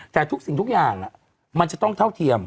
แต่ทุกสิ่งทุกอย่างมันจะต้องเท่าเทียม